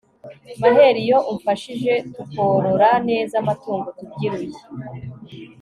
maheru iyo umfashije tukorora neza amatungo tubyiruye